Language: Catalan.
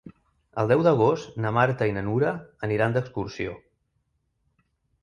El deu d'agost na Marta i na Nura aniran d'excursió.